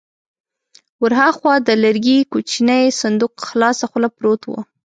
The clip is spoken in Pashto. ور هاخوا د لرګي کوچينی صندوق خلاصه خوله پروت و.